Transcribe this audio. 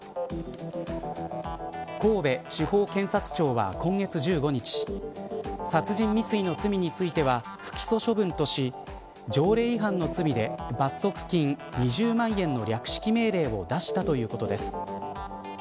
神戸地方検察庁は今月１５日殺人未遂の罪については不起訴処分とし条例違反の罪で罰則金２０万円の略式命令を出したということです。